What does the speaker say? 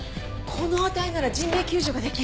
この値なら人命救助ができる。